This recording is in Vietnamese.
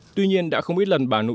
tuy nhiên đã không ít lần bà nụ